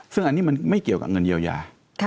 ซึ่งอันนี้มันไม่เกี่ยวกับเงินเยียวยา